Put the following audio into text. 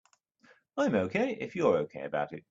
I'm OK if you're OK about it.